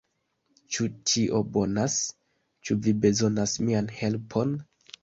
"Ĉu ĉio bonas? Ĉu vi bezonas mian helpon?"